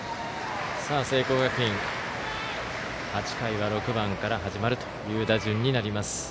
聖光学院、８回は６番から始まる打順になります。